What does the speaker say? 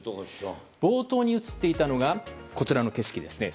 冒頭に映っていたのがこちらの景色です。